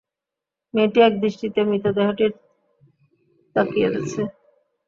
মেয়েটি একদৃষ্টিতে মৃতদেহটির তাকিয়ে আছে।